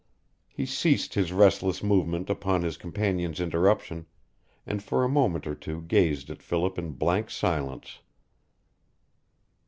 He ceased his restless movement upon his companion's interruption, and for a moment or two gazed at Philip in blank silence.